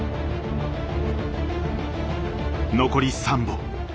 残り３本。